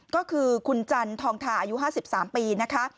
ก็คือคุณจันทองทาอายุ๕๓ปีนะคะ